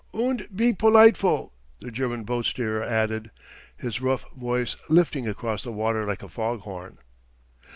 "Und be politeful!" the German boat steerer added, his rough voice lifting across the water like a fog horn.